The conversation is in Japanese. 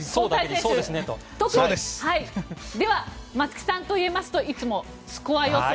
松木さんといいますといつもスコア予想。